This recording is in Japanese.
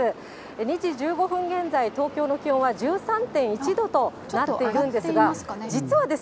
２時１５分現在、東京の気温は１３．１度となっているんですが。